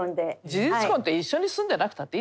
事実婚って一緒に住んでなくたっていいのよ。